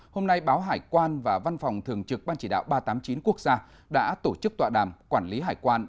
hôm nay báo hải quan và văn phòng thường trực ban chỉ đạo ba trăm tám mươi chín quốc gia đã tổ chức tọa đàm quản lý hải quan